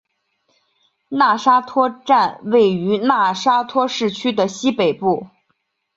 讷沙托站位于讷沙托市区的西北部。